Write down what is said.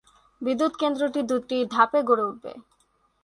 বিদ্যুৎ কেন্দ্রটি দুটি ধাপে গড়ে উঠবে।